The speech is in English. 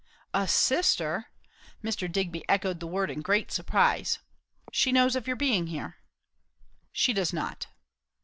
"A sister!" Mr. Digby echoed the word in great surprise. "She knows of your being here?" "She does not."